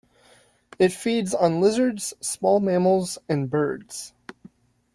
It feeds on lizards, small mammals, and birds.